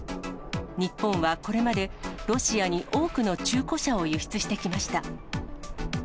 日本はこれまでロシアに多くの中古車を輸出してきました。